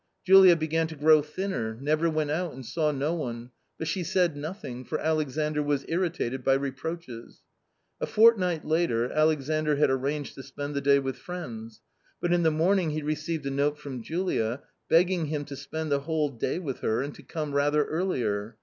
Julia began to grow thinner, never went out and saw no one, but she said nothing, for Alexandr was irritated by reproaches. A fortnight later Alexandr had arranged to spend the day with friends, but in the morning he received a note from Julia, begging him to spend the whole day with her and to come rather earlier.